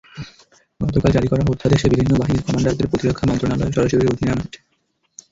গতকাল জারি করা অধ্যাদেশে বিভিন্ন বাহিনীর কমান্ডারদের প্রতিরক্ষা মন্ত্রণালয়ের সরাসরি অধীনে আনা হয়েছে।